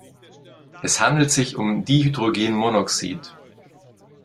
Es handelt sich um Dihydrogenmonoxid.